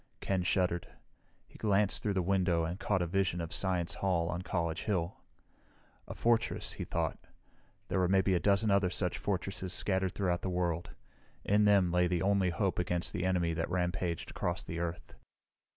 Ken shuddered. He glanced through the window and caught a vision of Science Hall on College Hill. A fortress, he thought. There were maybe a dozen other such fortresses scattered throughout the world; in them lay the only hope against the enemy that rampaged across the Earth.